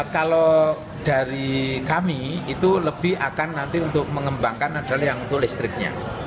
kalau dari kami itu lebih akan nanti untuk mengembangkan adalah yang untuk listriknya